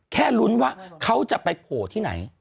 แค่ลุ้นว่าเขาจะไปโผล่ที่ไหน